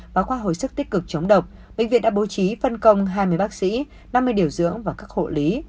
và khoa hồi sức tích cực chống độc bệnh viện đã bố trí phân công hai mươi bác sĩ năm mươi điều dưỡng và các hộ lý